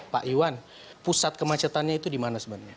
pak iwan pusat kemacetannya itu di mana sebenarnya